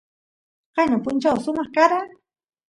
qayna punchaw sumaq kara